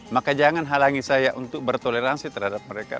maka jangan halangi saya untuk bertoleransi terhadap mereka